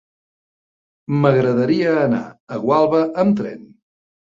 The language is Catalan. M'agradaria anar a Gualba amb tren.